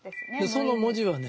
その文字はね